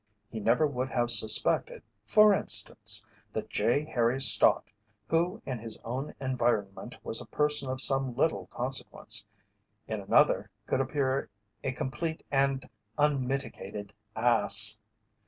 He never would have suspected, for instance, that J. Harry Stott, who in his own environment was a person of some little consequence, in another could appear a complete and unmitigated ass.